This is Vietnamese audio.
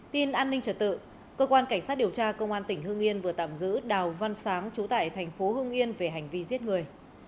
tin an ninh trở tự cơ quan cảnh sát điều tra công an tỉnh hương yên vừa tạm giữ đào văn sáng trú tại thành phố hưng yên về hành vi giết người